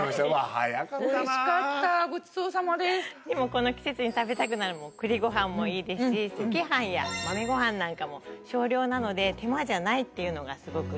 この季節に食べたくなる栗ごはんもいいですし赤飯や豆ごはんなんかも少量なので手間じゃないっていうのがすごく。